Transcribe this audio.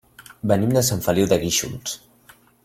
Venim de Sant Feliu de Guíxols.